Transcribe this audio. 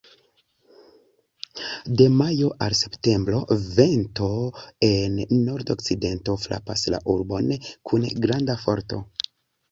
De majo al septembro, vento el nordokcidento frapas la urbon kun granda forto.